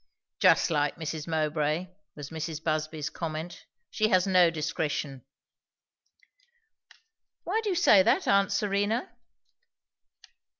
"Just like Mrs. Mowbray!" was Mrs. Busby's comment. "She has no discretion." "Why do you say that, aunt Serena?"